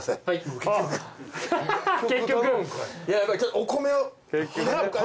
お米を。